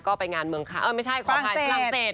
ก็ไปงานเมืองขานลำเศษ